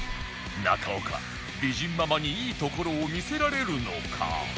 中岡美人ママにいいところを見せられるのか？